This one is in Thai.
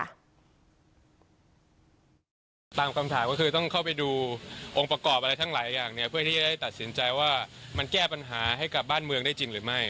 ตามคำถามก็คือต้องเข้าไปดูองค์ประกอบอะไรทั้งหลายอย่างเนี่ยเพื่อที่จะได้ตัดสินใจว่ามันแก้ปัญหาให้กับบ้านเมืองได้จริงหรือไม่